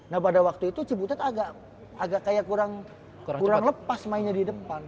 nah pada waktu itu cibutet agak kayak kurang lepas mainnya di depan